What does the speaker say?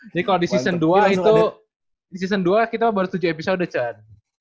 jadi kalau di season dua itu di season dua kita baru tujuh episode cun